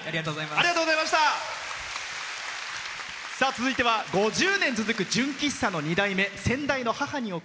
続いては５０年続く純喫茶の２代目。